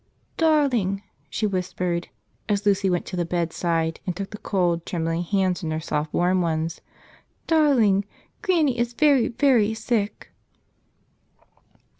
"Darling," she whispered, as Lucy went to the bed¬ side and took the cold, trembling hands in her soft, warm ones, "darling, Granny is very, very sick."